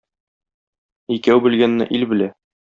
Икәү белгәнне ил белә.